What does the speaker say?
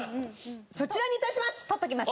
そちらに致します！